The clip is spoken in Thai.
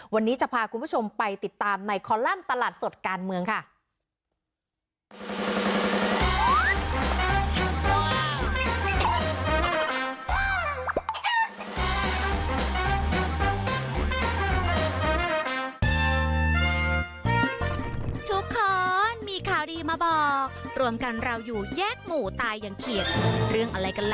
วันนี้จะพาคุณผู้ชมไปติดตามในคอลัมป์ตลาดสดการเมืองค่ะ